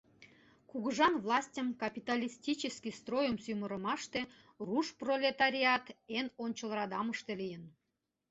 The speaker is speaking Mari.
— Кугыжан властьым, капиталистический стройым сӱмырымаште руш пролетариат эн ончыл радамыште лийын.